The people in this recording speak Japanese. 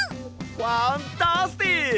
ファンタスティック！